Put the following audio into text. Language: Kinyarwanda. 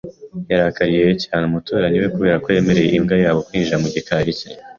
Yarakariye cyane umuturanyi we kubera ko yemereye imbwa yabo kwinjira mu gikari cye.